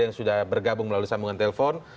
yang sudah bergabung melalui sambungan telepon